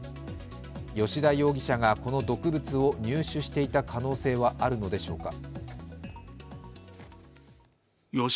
吉田容疑者がこの毒物を入手していた可能性はあるのでしょうか。